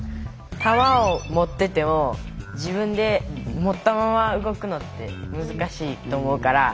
玉を持ってても自分で持ったまま動くのって難しいと思うから移動してあげる。